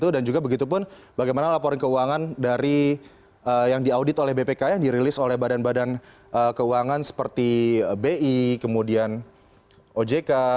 dan juga begitu pun bagaimana laporan keuangan dari yang diaudit oleh bpk yang dirilis oleh badan badan keuangan seperti bi kemudian ojk